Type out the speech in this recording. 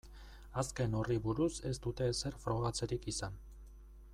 Azken horri buruz ez dute ezer frogatzerik izan.